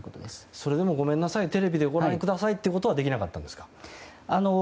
それでも、ごめんなさいテレビでご覧くださいってことはできなかったんですか？